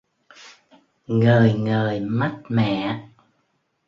Ngời ngời mắt mẹ